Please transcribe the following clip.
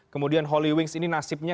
kemudian holy wings ini nasibnya